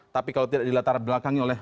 tapi kalau tidak dilatar belakangi oleh